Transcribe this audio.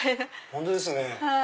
本当ですね。